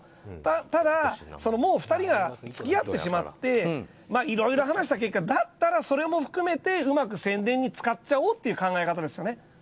ただ、もう２人が付き合ってしまっていろいろ話した結果だったらそれも含めてうまく宣伝に使っちゃおうという考え方ですよね。